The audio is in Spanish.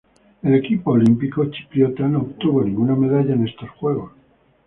El equipo olímpico chipriota no obtuvo ninguna medalla en estos Juegos.